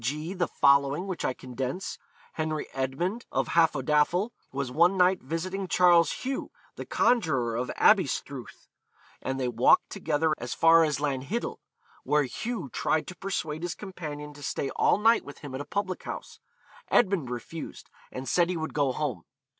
g., the following, which I condense: Henry Edmund, of Hafodafel, was one night visiting Charles Hugh, the conjuror of Aberystruth, and they walked together as far as Lanhiddel, where Hugh tried to persuade his companion to stay all night with him at a public house. Edmund refused, and said he would go home.